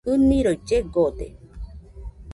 ɨniroi llegode.